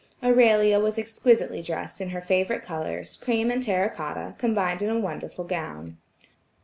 Aurelia was exquisitely dressed in her favorite colors, cream and terra cotta, combined in a wonderful gown.